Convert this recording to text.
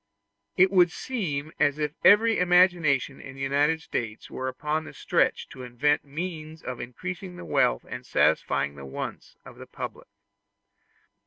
It would seem as if every imagination in the United States were upon the stretch to invent means of increasing the wealth and satisfying the wants of the public.